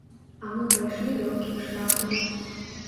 А мы пайшлі лёгкім шляхам.